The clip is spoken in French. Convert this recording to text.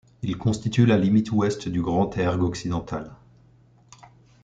Il constitue la limite ouest du Grand Erg Occidental.